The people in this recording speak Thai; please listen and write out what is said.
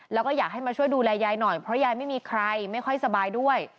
แล้วก็อยากให้มาช่วยดูแลยายหน่อยเพราะยายไม่มีใครไม่ค่อยสบายด้วย